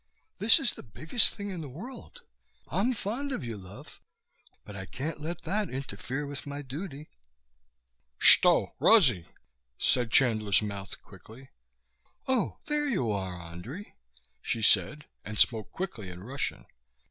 "This is the biggest thing in the world. I'm fond of you, love, but I can't let that interfere with my duty." "Shto, Rosie?" said Chandler's mouth thickly. "Oh, there you are, Andrei," she said, and spoke quickly in Russian.